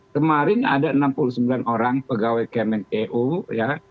kemarin ada enam puluh sembilan orang pegawai kemen eo ya